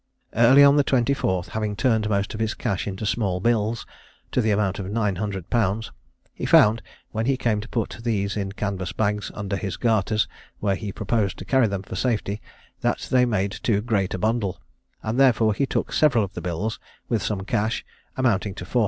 Early on the 24th, having turned most of his cash into small bills, to the amount of 900_l._, he found, when he came to put these in canvas bags under his garters, where he proposed to carry them for safety, that they made too great a bundle, and therefore he took several of the bills, with some cash, amounting to 440_l.